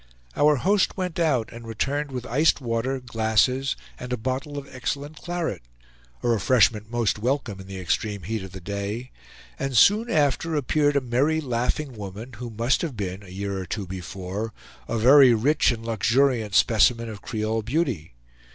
Our host went out, and returned with iced water, glasses, and a bottle of excellent claret; a refreshment most welcome in the extreme heat of the day; and soon after appeared a merry, laughing woman, who must have been, a year of two before, a very rich and luxuriant specimen of Creole beauty.